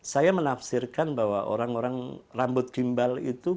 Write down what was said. saya menafsirkan bahwa orang orang rambut gimbal itu